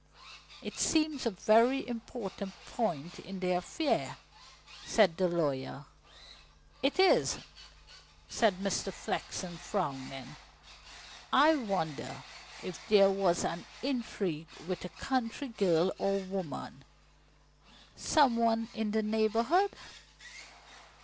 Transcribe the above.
"It seems a very important point in the affair," said the lawyer. "It is," said Mr. Flexen, frowning. "I wonder if there was an intrigue with a country girl or woman, some one in the neighbourhood?"